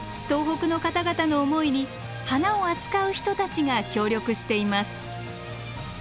東北の方々の思いに花を扱う人たちが協力しています。